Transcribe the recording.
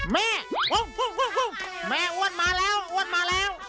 แม่แม่อ้วนมาแล้วอ้วนมาแล้ว